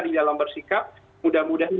di dalam bersikap mudah mudahan